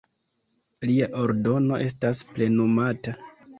Lia ordono estas plenumata.